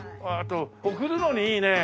贈るのにいいね！